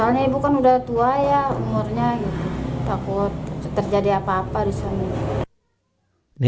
ini bukan udah tua ya umurnya takut terjadi apa apa disana